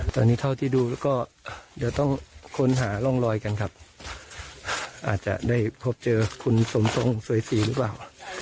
ตอนนี้เท่าที่ดูก็เดี๋ยวต้องค้นหาร่องรอยกันครับอาจจะได้พบเจอคุณสมทรงสวยศรีหรือเปล่า